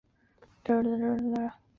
奇蒿为菊科蒿属的植物。